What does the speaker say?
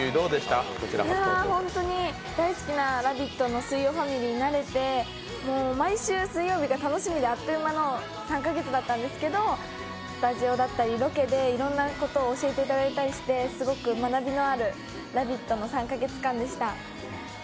本当に大好きな「ラヴィット！」の水曜ファミリーになれて毎週水曜日が楽しみであっという間の３か月だったんですけどスタジオだったりロケでいろんなことを教えてもらったりしてすごく学びのある「ラヴィット！」の３か月間でした。